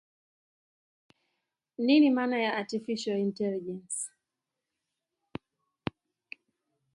jamii pana yenye watu ambao wana lugha zao za kwanza